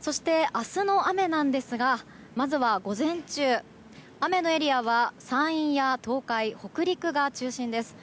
そして、明日の雨なんですがまずは午前中雨のエリアは山陰や東海・北陸が中心です。